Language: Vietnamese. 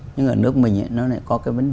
nhưng ở nước mình thì nó lại có cái vấn đề đó